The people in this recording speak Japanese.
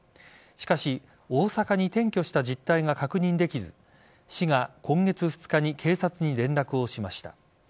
しかし、大阪に転居した実態が確認できず市が今月２日に警察に連絡をしました。